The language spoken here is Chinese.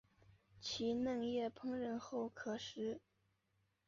其嫩叶烹饪后可食。